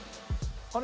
あれ？